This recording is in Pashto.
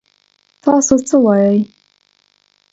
تاسو څه وايي ؟